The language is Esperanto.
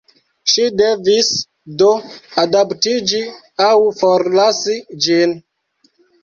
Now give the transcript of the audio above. Ŝi devis, do, adaptiĝi aŭ forlasi ĝin.